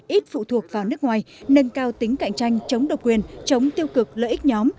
ít phụ thuộc vào nước ngoài nâng cao tính cạnh tranh chống độc quyền chống tiêu cực lợi ích nhóm